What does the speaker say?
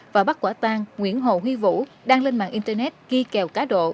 và bắt quả tăng nguyễn hồ huy vũ đang lên mạng internet ghi kèo cá độ